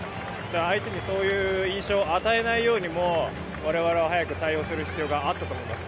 相手に、そういう印象を与えないように我々は早く対応する必要があったと思います。